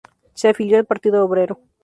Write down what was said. Se afilió al Partido Obrero.